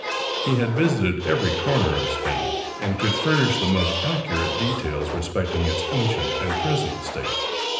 He had visited every corner of Spain, and could furnish the most accurate details respecting its ancient and present state.